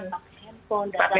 pakai handphone dagangnya